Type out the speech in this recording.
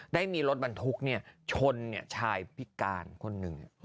ได้มีรถบรรทุกเนี่ยชนชายพิการคนนึง